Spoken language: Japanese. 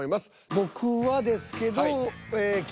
僕はですけど。